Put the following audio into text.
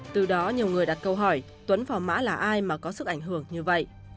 từ đó nhiều người đặt câu hỏi tuấn phò mã là ai mà có sức ảnh hưởng như vậy